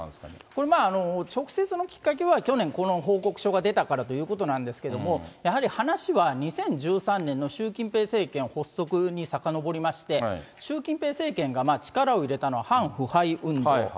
これ、直接のきっかけは去年この報告書が出たからということなんですけれども、やはり話は２０１３年の習近平政権の発足にさかのぼりまして、習近平政権が力を入れたのは、反腐敗運動。